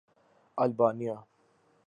Albania